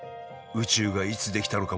宇宙は一体いつ出来たのか？